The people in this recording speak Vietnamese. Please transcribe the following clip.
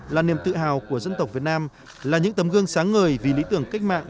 là niềm tự hào của dân tộc việt nam là những tấm gương sáng ngời vì lý tưởng cách mạng